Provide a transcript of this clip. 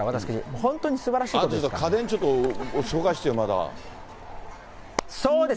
本当にすばらしいことで家電ちょっと、紹介してよ、そうです。